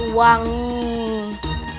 ini bar wangi